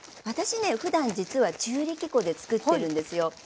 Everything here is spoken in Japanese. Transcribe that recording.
私ねふだん実は中力粉で作ってるんですよ。